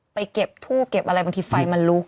ไปเก็บทูบเก็บอะไรบางทีไฟมันลุก